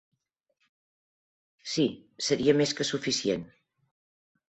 Sí, seria més que suficient.